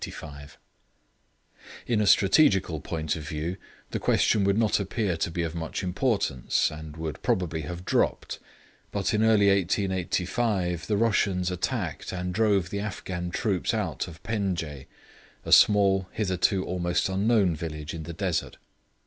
] In a strategical point of view the question would not appear to be of much importance, and would probably have dropped; but early in 1885 the Russians attacked and drove the Afghan troops out of Penjdeh, a small, hitherto almost unknown village in the desert.